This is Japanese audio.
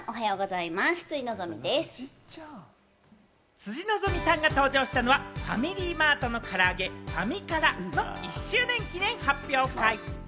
辻希美さんが登場したのはファミリーマートのからあげ・ファミからの１周年記念発表会。